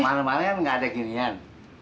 mana mana kan nggak ada ginian